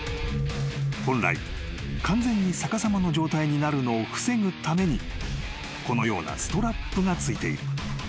［本来完全に逆さまの状態になるのを防ぐためにこのようなストラップがついている］